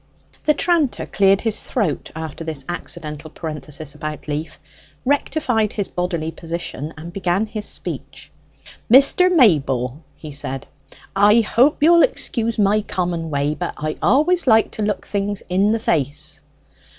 The tranter cleared his throat after this accidental parenthesis about Leaf, rectified his bodily position, and began his speech. "Mr. Mayble," he said, "I hope you'll excuse my common way, but I always like to look things in the face."